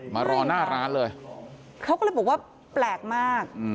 มารอหน้าร้านเลยเขาก็เลยบอกว่าแปลกมาก